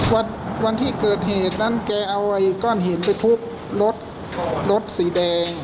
แล้ววันที่เกิดเหตุแกเอาก้อนหินไปทุบรถสีแดง